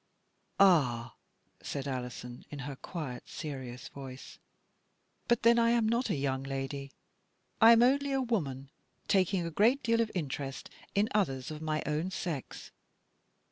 " Ah !" said Alison, in her quiet, serious voice, "but then I am not a * young lady.' I am only a woman, taking a great deal of interest in others of my own sex.